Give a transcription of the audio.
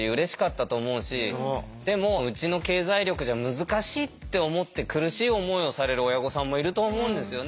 でもうちの経済力じゃ難しいって思って苦しい思いをされる親御さんもいると思うんですよね。